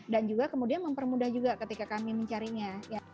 dan juga kemudian mempermudah juga ketika kami mencarinya